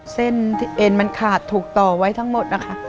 เส้นที่เอ็นมันขาดถูกต่อไว้ทั้งหมดนะคะ